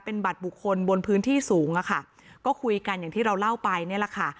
เป็นบัตรบุคคลบนพื้นที่สูงอะค่ะก็คุยกันอย่างที่เราเล่าไปเนี่ยแหละค่ะ